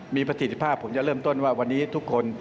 มีประสิทธิภาพผมจะเริ่มต้นว่าวันนี้ทุกคน